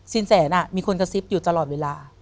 แสนมีคนกระซิบอยู่ตลอดเวลา